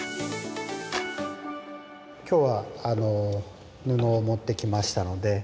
今日は布を持ってきましたので。